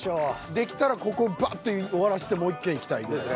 できたらここバッて終わらしてもう１軒行きたいですね。